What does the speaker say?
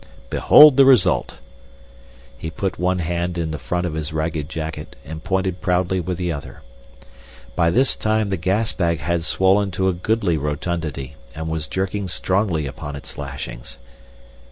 Behold the result!" He put one hand in the front of his ragged jacket and pointed proudly with the other. By this time the gas bag had swollen to a goodly rotundity and was jerking strongly upon its lashings.